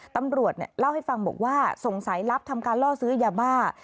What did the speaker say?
ตำรวจเล่าให้ฟังบอกว่าสงสัยลับทำการล่อซื้อยาบ้า